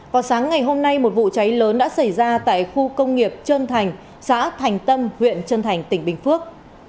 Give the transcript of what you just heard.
vào sáng ngày hôm nay một vụ cháy lớn đã xảy ra tại khu công nghiệp trơn thành xã thành tâm huyện trân thành tỉnh bình phước